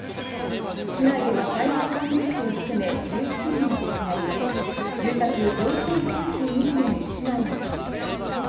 市内では災害関連死を含め１７人が亡くなり、住宅４０９２棟に被害が出ました。